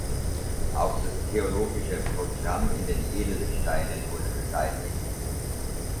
Auch das theologische Programm in den Edelsteinen wurde beseitigt.